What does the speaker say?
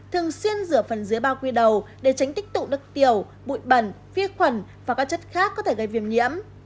thường xuyên rửa phần dưới bao khuy đầu để tránh tích tụ nước tiểu bụi bẩn phi khuẩn và các chất khác có thể gây viêm nhiễm